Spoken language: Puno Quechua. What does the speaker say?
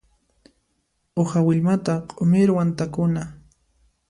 Uha willmata q'umirwan takuna.